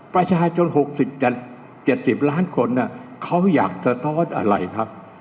ประชาชน๖๐๗๐ล้านคนเขาอยากสะท้อนอะไรครับ